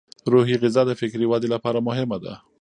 روحي غذا د فکري ودې لپاره مهمه ده.